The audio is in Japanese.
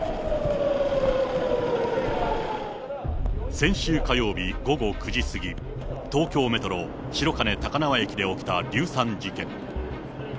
先週火曜日午後９時過ぎ、東京メトロ白金高輪駅で起きた硫酸事件。